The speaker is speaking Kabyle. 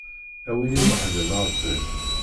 A win iweḥden Ṛebbi.